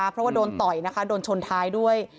เพราะว่าโดนต่อยนะคะโดนชนท้ายด้วย